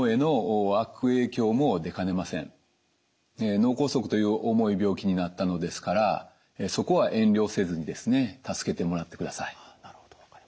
脳梗塞という重い病気になったのですからそこは遠慮せずにですね助けてもらってください。